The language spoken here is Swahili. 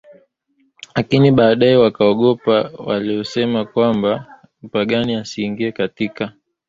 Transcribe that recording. lakini baadaye akawaogopa waliosema kwamba Mpagani asiingie katika